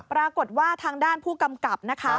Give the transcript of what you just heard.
ปรากฏว่าทางด้านผู้กำกับนะคะ